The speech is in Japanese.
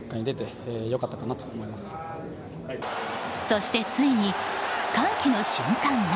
そして、ついに歓喜の瞬間が。